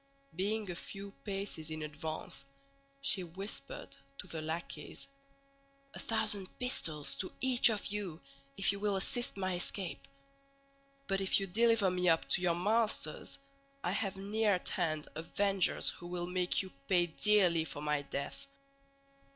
Being a few paces in advance she whispered to the lackeys, "A thousand pistoles to each of you, if you will assist my escape; but if you deliver me up to your masters, I have near at hand avengers who will make you pay dearly for my death."